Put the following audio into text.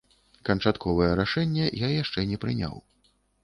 Канчатковае рашэнне я яшчэ не прыняў.